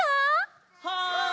はい！